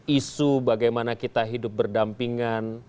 isu bagaimana kita hidup berdampingan